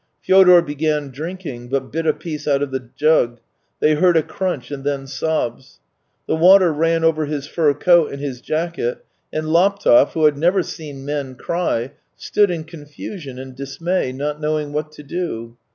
Fyodor began drink ing, but bit a piece out of the jug; they heard a crunch, and then sobs. The water ran over his fur coat and his jacket, and Laptev, who had never seen men cry, stood in confusion and dismay, not knowing what to do.